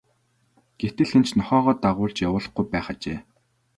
Гэтэл хэн нь ч нохойгоо дагуулж явуулаагүй байх ажээ.